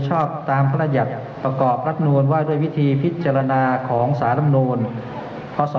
ที่สารมนตร์ได้อ่านคำวินิจฉัยที่สารมนตร์